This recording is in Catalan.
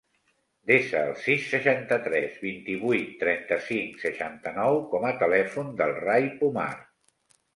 Desa el sis, seixanta-tres, vint-i-vuit, trenta-cinc, seixanta-nou com a telèfon del Rai Pumar.